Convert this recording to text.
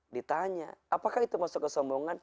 ditanya apakah itu masuk kesombongan